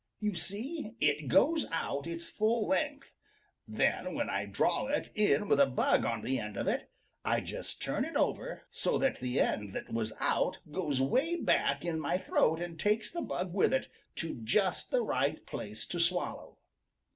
You see it goes out its full length. Then, when I draw it in with a bug on the end of it, I just turn it over so that the end that was out goes way back in my throat and takes the bug with it to just the right place to swallow."